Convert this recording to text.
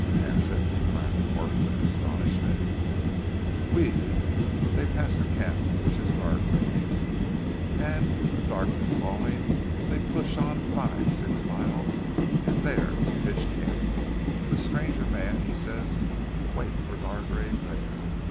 "Pass it?" cried the corporal in astonishment. "Oui! Dey pass a camp which is Gargrave's an' with ze darkness falling, dey push on five, six mile, an' dere pitch camp, an' ze stranger mans say he wait for Gargrave dere.